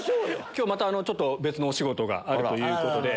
今日また別のお仕事があるということで。